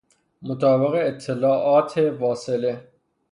مطابق اطالاعات واصله